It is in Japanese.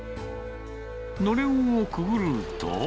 のれんをくぐると。